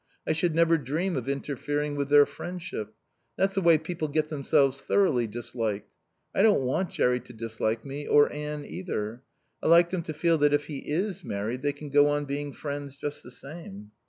I should never dream of interfering with their friendship. That's the way people get themselves thoroughly disliked. I don't want Jerry to dislike me, or Anne, either. I like them to feel that if he is married they can go on being friends just the same."